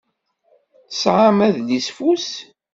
Tesɛam adlisfus?